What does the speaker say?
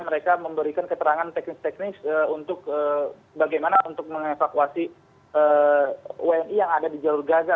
mereka memberikan keterangan teknis teknis untuk bagaimana untuk mengevakuasi wni yang ada di jalur gaza